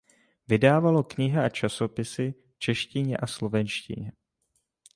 Vydávalo knihy a časopisy v češtině a slovenštině.